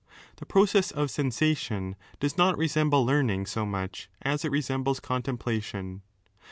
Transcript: The process of sensation does not resemble learning so much as it resembles contemplation.